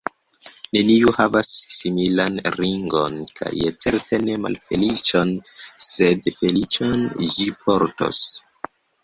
Neniu havas similan ringon kaj certe ne malfeliĉon, sed feliĉon ĝi portos.